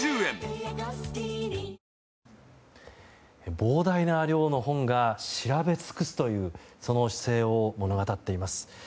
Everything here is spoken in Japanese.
膨大な量の本が調べ尽くすというその姿勢を物語っています。